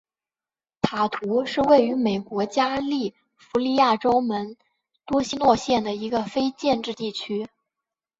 塔图是位于美国加利福尼亚州门多西诺县的一个非建制地区。